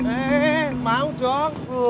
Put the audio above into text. eh mau dong